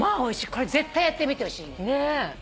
これ絶対やってみてほしい。ねえ。